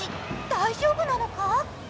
大丈夫なのか。